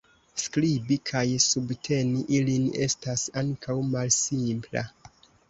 Skribi kaj subteni ilin estas ankaŭ malsimpla.